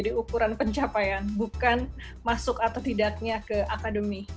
jadi ukuran pencapaian bukan masuk atau tidaknya ke akademi